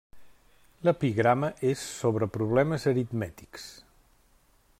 L'epigrama és sobre problemes aritmètics.